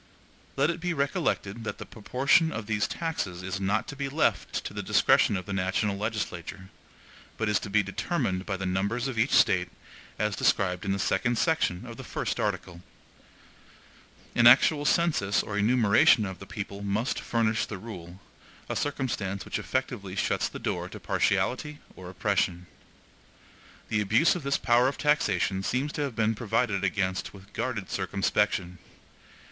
Let it be recollected that the proportion of these taxes is not to be left to the discretion of the national legislature, but is to be determined by the numbers of each State, as described in the second section of the first article. An actual census or enumeration of the people must furnish the rule, a circumstance which effectually shuts the door to partiality or oppression. The abuse of this power of taxation seems to have been provided against with guarded circumspection.